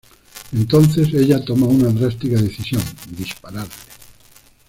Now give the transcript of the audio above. Entonces ella toma una drástica decisión: dispararle.